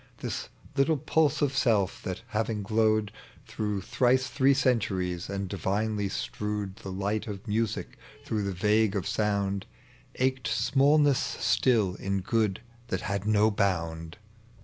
Tins little pulse of self, that, having glowed Through thrice three centuries, and divinely strewed The light of music through the vague of sound, Ached smallnesB still in good that had no bound.